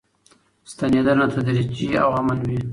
ستنېدنه تدریجي او امن وي.